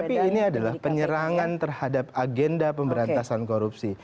tapi ini adalah penyerangan terhadap agenda pemberantasan korupsi